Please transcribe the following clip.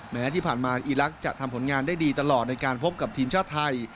แม้ที่ผ่านมาอีลักษณ์จะทำผลงานได้ดีตลอดในการพบกับทีมชาติไทย